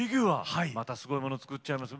またすごいもの作っちゃいます。